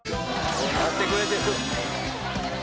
待ってくれてる。